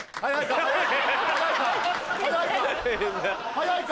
早いか？